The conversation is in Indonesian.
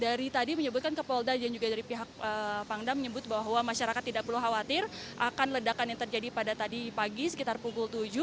dari tadi menyebutkan ke polda dan juga dari pihak pangdam menyebut bahwa masyarakat tidak perlu khawatir akan ledakan yang terjadi pada tadi pagi sekitar pukul tujuh